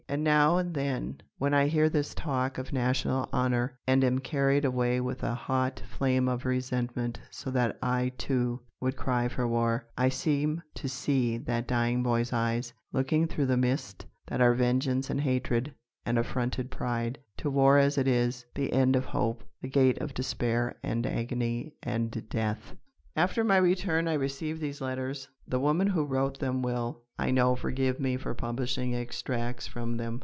And now and then, when I hear this talk of national honour, and am carried away with a hot flame of resentment so that I, too, would cry for war, I seem to see that dying boy's eyes, looking through the mists that are vengeance and hatred and affronted pride, to war as it is the end of hope, the gate of despair and agony and death. After my return I received these letters. The woman who wrote them will, I know, forgive me for publishing extracts from them.